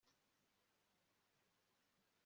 akaba wenyine